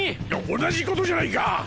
同じことじゃないか！